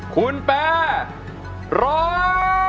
คุณป่าร้อง